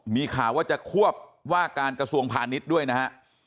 มีข่าวว่าจะควบว่าการกระทรวงพาณิชย์ด้วยนะฮะ